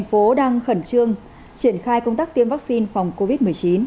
thành phố đang khẩn trương triển khai công tác tiêm vaccine phòng covid một mươi chín